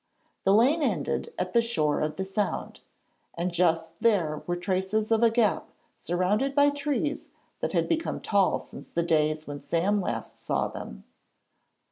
The lane ended at the shore of the Sound, and just there were traces of a gap surrounded by trees that had become tall since the days when Sam last saw them.